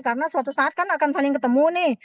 karena suatu saat kan akan saling ketemu nih